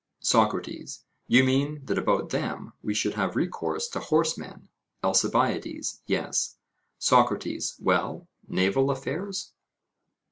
SOCRATES: You mean that about them we should have recourse to horsemen? ALCIBIADES: Yes. SOCRATES: Well, naval affairs?